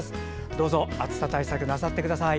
どうぞ暑さ対策なさってください。